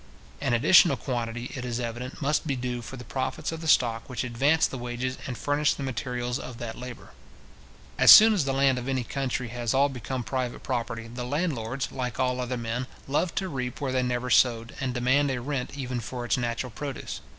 An additional quantity, it is evident, must be due for the profits of the stock which advanced the wages and furnished the materials of that labour. As soon as the land of any country has all become private property, the landlords, like all other men, love to reap where they never sowed, and demand a rent even for its natural produce.